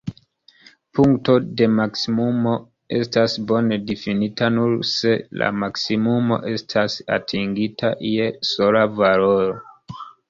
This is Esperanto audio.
Punkto de maksimumo estas bone-difinita nur se la maksimumo estas atingita je sola valoro.